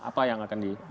apa yang akan di